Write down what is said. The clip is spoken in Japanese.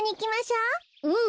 うん。